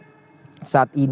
saat ini sudah ditemukan